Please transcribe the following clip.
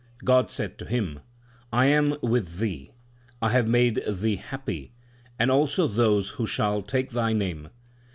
God said to him, I am with thee. I have made thee happy, and also those who shall take thy name.